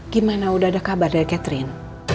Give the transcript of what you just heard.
gimana udah ada kabar dari catherine